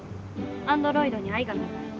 アンドロイドに愛が芽生えるの。